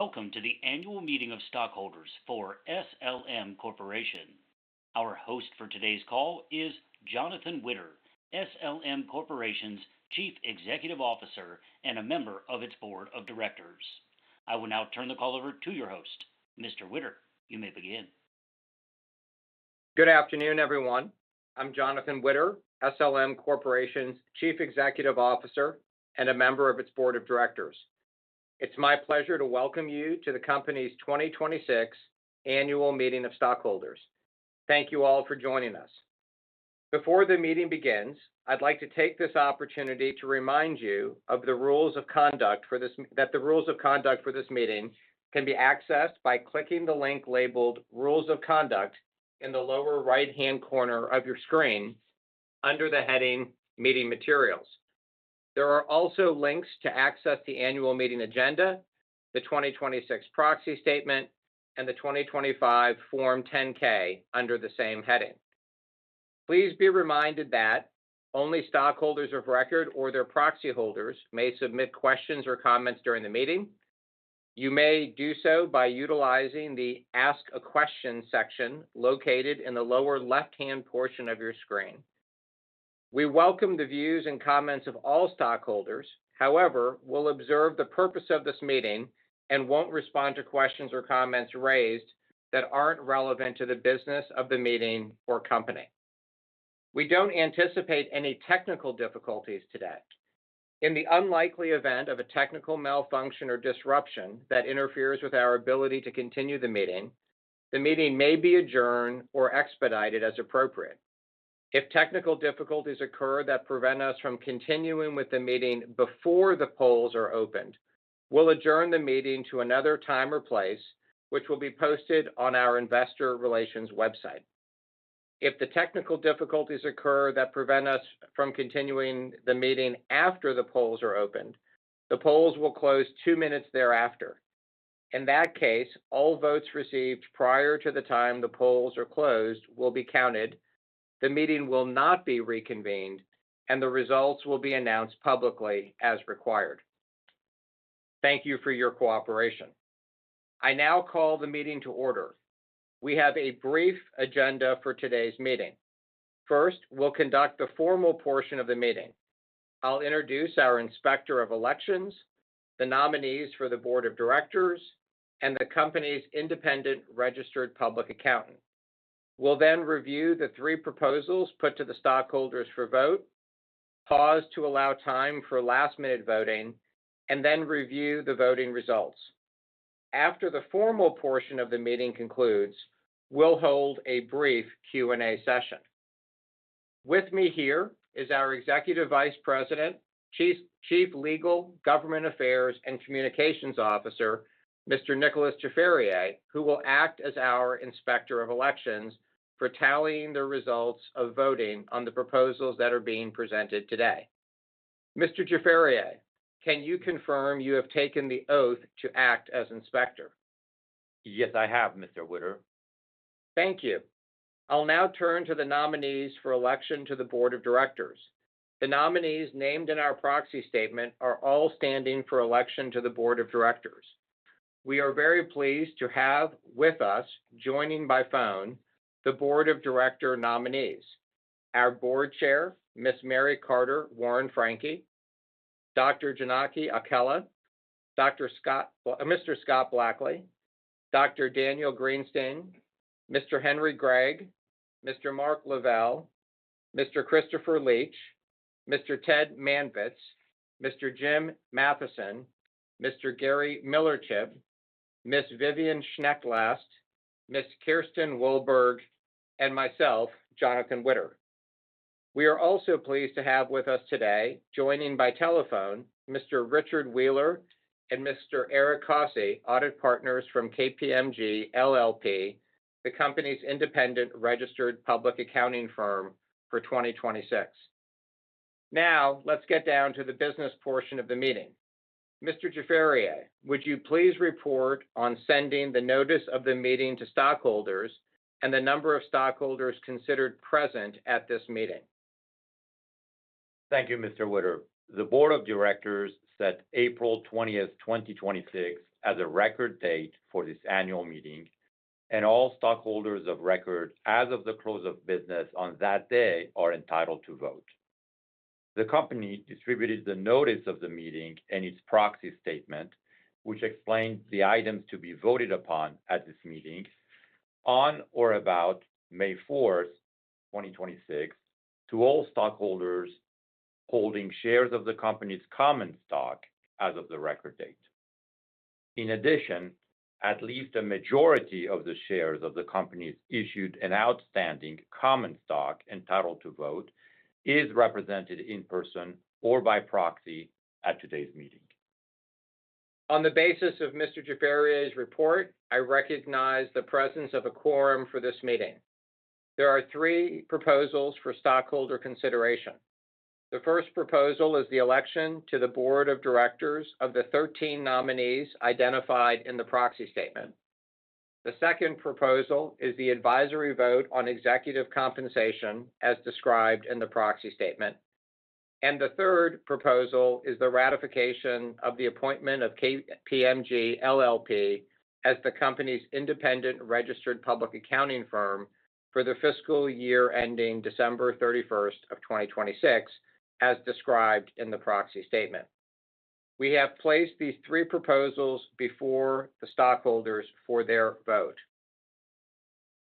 Welcome to the annual meeting of stockholders for SLM Corporation. Our host for today's call is Jonathan Witter, SLM Corporation's Chief Executive Officer and a member of its board of directors. I will now turn the call over to your host. Mr. Witter, you may begin. Good afternoon, everyone. I'm Jonathan Witter, SLM Corporation's Chief Executive Officer and a member of its board of directors. It's my pleasure to welcome you to the company's 2026 annual meeting of stockholders. Thank you all for joining us. Before the meeting begins, I'd like to take this opportunity to remind you that the rules of conduct for this meeting can be accessed by clicking the link labeled Rules of Conduct in the lower right-hand corner of your screen under the heading Meeting Materials. There are also links to access the annual meeting agenda, the 2026 proxy statement, and the 2025 Form 10-K under the same heading. Please be reminded that only stockholders of record or their proxy holders may submit questions or comments during the meeting. You may do so by utilizing the Ask a Question section located in the lower left-hand portion of your screen. We welcome the views and comments of all stockholders. We'll observe the purpose of this meeting and won't respond to questions or comments raised that aren't relevant to the business of the meeting or company. We don't anticipate any technical difficulties today. In the unlikely event of a technical malfunction or disruption that interferes with our ability to continue the meeting, the meeting may be adjourned or expedited as appropriate. If technical difficulties occur that prevent us from continuing with the meeting before the polls are opened, we'll adjourn the meeting to another time or place, which will be posted on our investor relations website. If the technical difficulties occur that prevent us from continuing the meeting after the polls are opened, the polls will close two minutes thereafter. In that case, all votes received prior to the time the polls are closed will be counted. The meeting will not be reconvened. The results will be announced publicly as required. Thank you for your cooperation. I now call the meeting to order. We have a brief agenda for today's meeting. First, we'll conduct the formal portion of the meeting. I'll introduce our Inspector of Elections, the nominees for the board of directors, and the company's independent registered public accountant. We'll then review the three proposals put to the stockholders for vote, pause to allow time for last-minute voting, and then review the voting results. After the formal portion of the meeting concludes, we'll hold a brief Q&A session. With me here is our Executive Vice President, Chief Legal, Government Affairs, and Communications Officer, Mr. Nicolas Jafarieh, who will act as our Inspector of Elections for tallying the results of voting on the proposals that are being presented today. Mr. Jafarieh, can you confirm you have taken the oath to act as inspector? Yes, I have, Mr. Witter. Thank you. I'll now turn to the nominees for election to the board of directors. The nominees named in our proxy statement are all standing for election to the board of directors. We are very pleased to have with us, joining by phone, the board of director nominees, our board chair, Ms. Mary Carter Warren Franke, Dr. Janaki Akella, Mr. Scott Blackley, Dr. Daniel Greenstein, Mr. Henry Greig, Mr. Mark Lavelle, Mr. Christopher Leech, Mr. Ted Manvitz, Mr. Jim Matheson, Mr. Gary Millerchip, Ms. Vivian Schneck-Last, Ms. Kirsten Wolberg, and myself, Jonathan Witter. We are also pleased to have with us today, joining by telephone, Mr. Richard Wheeler and Mr. Eric Crossey, audit partners from KPMG LLP, the company's independent registered public accounting firm for 2026. Let's get down to the business portion of the meeting. Mr. Jafarieh, would you please report on sending the notice of the meeting to stockholders and the number of stockholders considered present at this meeting? Thank you, Mr. Witter. The board of directors set April 20th, 2026, as a record date for this annual meeting, and all stockholders of record as of the close of business on that day are entitled to vote. The company distributed the notice of the meeting and its proxy statement, which explains the items to be voted upon at this meeting on or about May 4th, 2026, to all stockholders holding shares of the company's common stock as of the record date. In addition, at least a majority of the shares of the company's issued and outstanding common stock entitled to vote is represented in person or by proxy at today's meeting. On the basis of Mr. Jafarieh's report, I recognize the presence of a quorum for this meeting. There are three proposals for stockholder consideration. The first proposal is the election to the board of directors of the 13 nominees identified in the proxy statement. The second proposal is the advisory vote on executive compensation as described in the proxy statement. The third proposal is the ratification of the appointment of KPMG LLP as the company's independent registered public accounting firm for the fiscal year ending December 31st of 2026, as described in the proxy statement. We have placed these three proposals before the stockholders for their vote.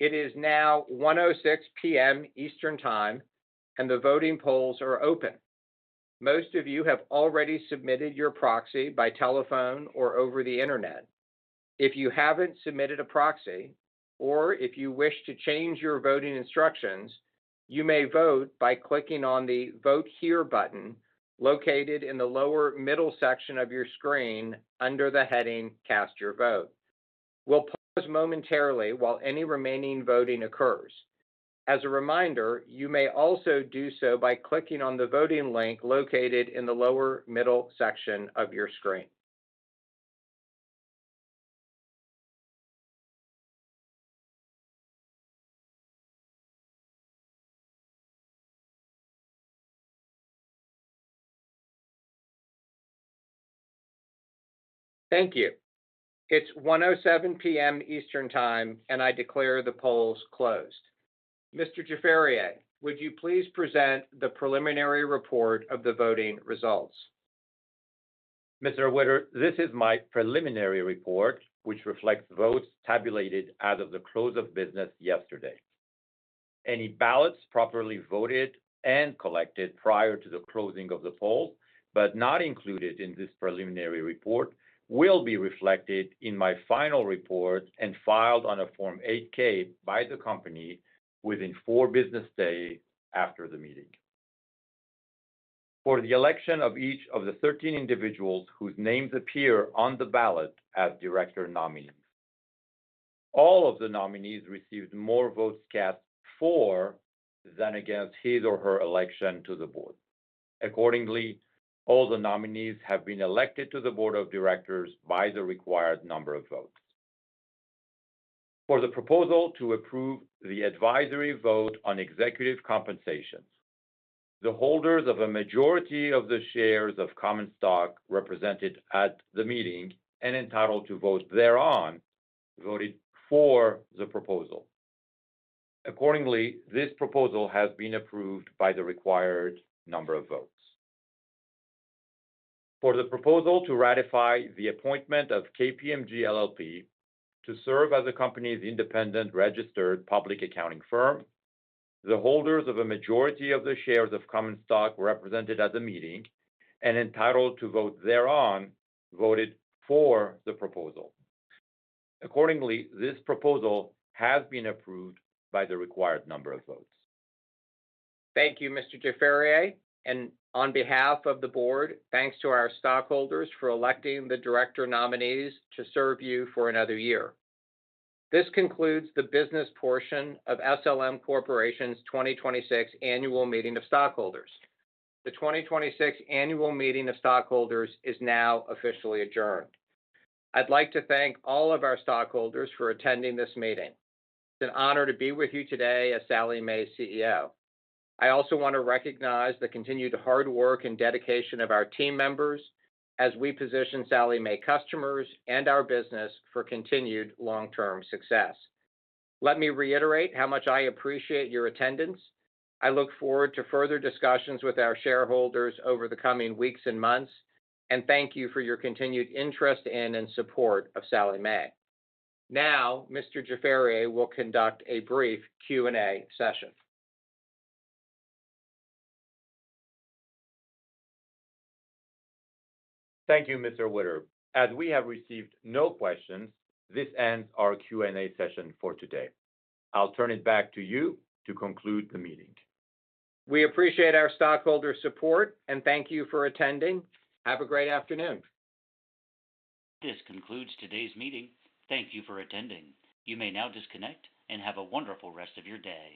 It is now 1:06 P.M. Eastern Time, and the voting polls are open. Most of you have already submitted your proxy by telephone or over the Internet. If you haven't submitted a proxy, or if you wish to change your voting instructions, you may vote by clicking on the Vote Here button located in the lower middle section of your screen under the heading Cast Your Vote. We'll pause momentarily while any remaining voting occurs. As a reminder, you may also do so by clicking on the voting link located in the lower middle section of your screen. Thank you. It's 1:07 P.M. Eastern Time, and I declare the polls closed. Mr. Jafarieh, would you please present the preliminary report of the voting results? Mr. Witter, this is my preliminary report, which reflects votes tabulated as of the close of business yesterday. Any ballots properly voted and collected prior to the closing of the polls, but not included in this preliminary report, will be reflected in my final report and filed on a Form 8-K by the company within four business days after the meeting. For the election of each of the 13 individuals whose names appear on the ballot as director nominees. All of the nominees received more votes cast for than against his or her election to the board. Accordingly, all the nominees have been elected to the board of directors by the required number of votes. For the proposal to approve the advisory vote on executive compensation, the holders of a majority of the shares of common stock represented at the meeting and entitled to vote thereon, voted for the proposal. Accordingly, this proposal has been approved by the required number of votes. For the proposal to ratify the appointment of KPMG LLP to serve as the company's independent registered public accounting firm, the holders of a majority of the shares of common stock represented at the meeting and entitled to vote thereon, voted for the proposal. Accordingly, this proposal has been approved by the required number of votes. Thank you, Mr. Jafarieh. On behalf of the board, thanks to our stockholders for electing the director nominees to serve you for another year. This concludes the business portion of SLM Corporation's 2026 Annual Meeting of Stockholders. The 2026 Annual Meeting of Stockholders is now officially adjourned. I'd like to thank all of our stockholders for attending this meeting. It's an honor to be with you today as Sallie Mae's CEO. I also want to recognize the continued hard work and dedication of our team members as we position Sallie Mae customers and our business for continued long-term success. Let me reiterate how much I appreciate your attendance. I look forward to further discussions with our shareholders over the coming weeks and months. Thank you for your continued interest in and support of Sallie Mae. Now, Mr. Jafarieh will conduct a brief Q&A session. Thank you, Mr. Witter. As we have received no questions, this ends our Q&A session for today. I'll turn it back to you to conclude the meeting. We appreciate our stockholders' support. Thank you for attending. Have a great afternoon. This concludes today's meeting. Thank you for attending. You may now disconnect, and have a wonderful rest of your day.